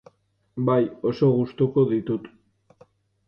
Bai, oso gustuko ditut.